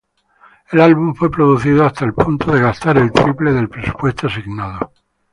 El álbum fue producido hasta el punto de gastar el triple del presupuesto asignado.